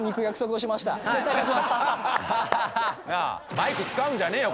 マイク使うんじゃねえよ！